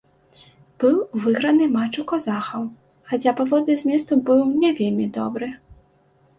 Быў выйграны матч у казахаў, хаця паводле зместу быў не вельмі добры.